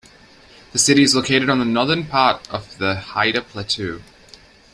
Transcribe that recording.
The city is located on the northern part of the Hida Plateau.